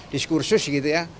diskursus gitu ya